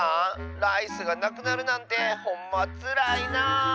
ライスがなくなるなんてほんまつらいなあ。